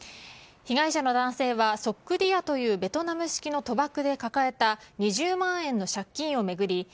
被害者の男性はソックディアというベトナム式の賭博で抱えた２０万円の借金を巡り